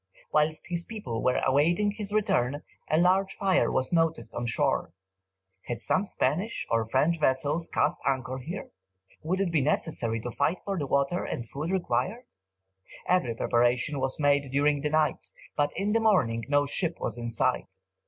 Whilst his people were awaiting his return, a large fire was noticed on shore. Had some Spanish or French vessels cast anchor here? Would it be necessary to fight for the water and food required? Every preparation was made during the night, but in the morning no ship was in sight.